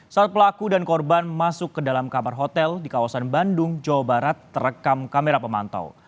saat pelaku dan korban masuk ke dalam kamar hotel di kawasan bandung jawa barat terekam kamera pemantau